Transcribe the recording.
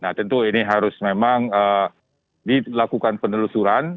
nah tentu ini harus memang dilakukan penelusuran